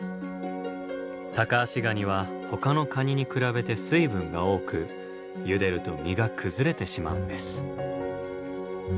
タカアシガニはほかのカニに比べて水分が多くゆでると身が崩れてしまうんです。